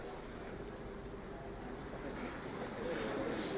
kepada penyelidikan menurut presiden hollande